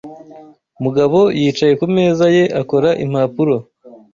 Mugabo yicaye ku meza ye akora impapuro.